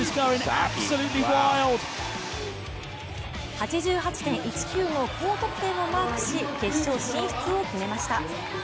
８８．１９の高得点をマークし決勝進出を決めました。